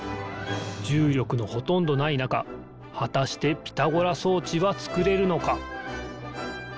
じゅうりょくのほとんどないなかはたしてピタゴラそうちはつくれるのか？